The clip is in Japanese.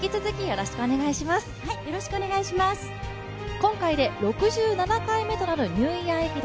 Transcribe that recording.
今回で６７回目となるニューイヤー駅伝。